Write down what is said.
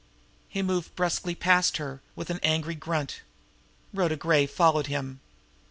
He moved brusquely past her, with an angry grunt. Rhoda Gray followed him.